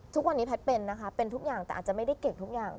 ทุกวันนี้แพทย์เป็นนะคะเป็นทุกอย่างแต่อาจจะไม่ได้เก่งทุกอย่าง